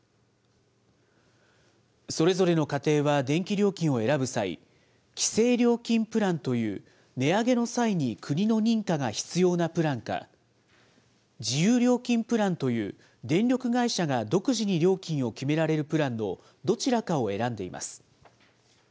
それぞれの家庭は電気料金を選ぶ際、規制料金プランという、値上げの際に国の認可が必要なプランか、自由料金プランという、電力会社が独自に料金を決められるプランのどちらかを選んでいます。